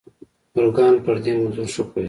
مورګان پر دې موضوع ښه پوهېده.